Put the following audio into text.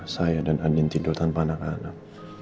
saya dan adin tidur tanpa anak anak